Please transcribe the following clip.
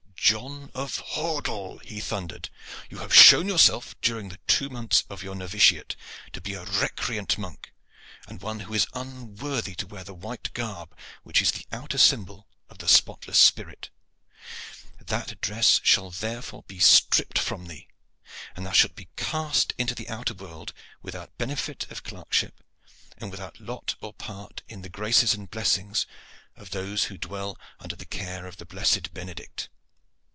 "John of Hordle," he thundered, "you have shown yourself during the two months of your novitiate to be a recreant monk, and one who is unworthy to wear the white garb which is the outer symbol of the spotless spirit. That dress shall therefore be stripped from thee, and thou shalt be cast into the outer world without benefit of clerkship, and without lot or part in the graces and blessings of those who dwell under the care of the Blessed Benedict.